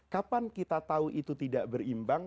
kapan kita tahu itu tidak berimbang